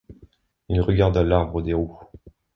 Il regarda l’arbre des roues.